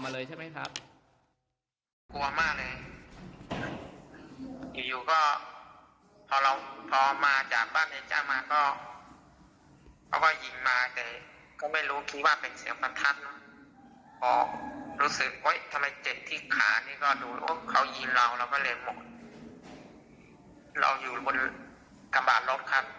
เราอยู่บนกลับบ้านรถค่ะ